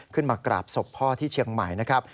ขึ้นมากราบศพพ่อที่เชียงใหม่นะครับ